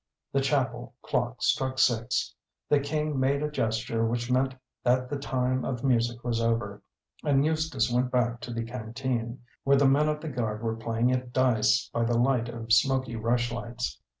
The chapel clock struck six. The King made a gesture which meant that the time of music was over, and Eustace went back to the canteen, where the men of the guard were playing at dice by the light of smoky rush lights.